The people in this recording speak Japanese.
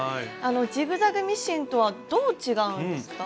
ジグザグミシンとはどう違うんですか？